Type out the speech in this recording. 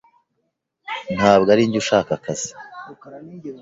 Ntabwo arinjye ushaka akazi.